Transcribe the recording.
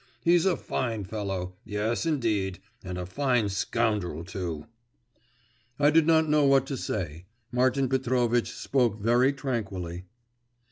He's a fine fellow! yes, indeed, and a fine scoundrel too!' I did not know what to say; Martin Petrovitch spoke very tranquilly.